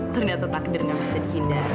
ternyata takdir gak bisa dihindari